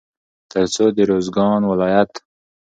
تر څو د روزګان ولايت